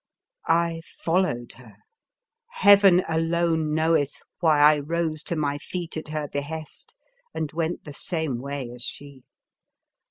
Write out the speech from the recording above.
I followed her. Heaven alone know eth why I rose to my feet at her behest and went the same way as she.